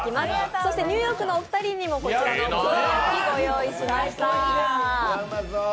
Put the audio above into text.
そしてニューヨークのお二人にもこちらのお好み焼きご用意しました。